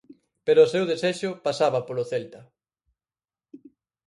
Pero o seu desexo pasaba polo Celta.